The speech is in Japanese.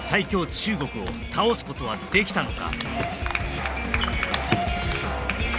中国を倒すことはできたのか？